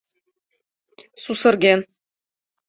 — Сусырген.